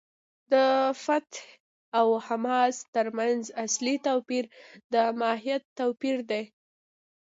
د فتح او حماس تر منځ اصلي توپیر د ماهیت توپیر دی.